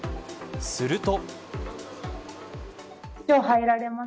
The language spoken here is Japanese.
すると。